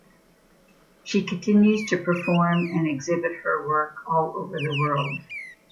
She continues to perform and exhibit her work all over the world.